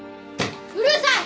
うるさい！